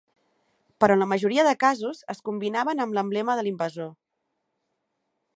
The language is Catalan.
Però en la majoria de casos, es combinaven amb l'emblema de l'invasor.